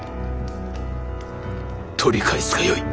取り返すがよい。